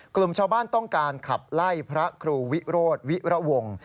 กลุ่มชาวบ้านต้องการขับไล่พระครูวิโรธวิระวง